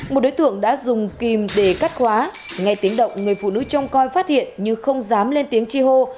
một đối tượng đã dùng kim để cắt khóa ngay tiếng động người phụ nữ trông coi phát hiện nhưng không dám lên tiếng chỉ hồ